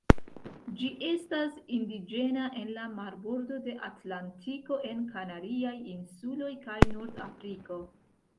Ĝi estas indiĝena en la marbordo de Atlantiko en Kanariaj insuloj kaj Nordafriko.